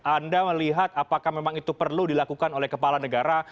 anda melihat apakah memang itu perlu dilakukan oleh kepala negara